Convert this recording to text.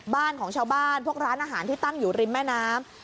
บ้านของชาวบ้านพวกร้านอาหารที่ตั้งอยู่ริมแม่น้ำ